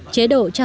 chế độ trăm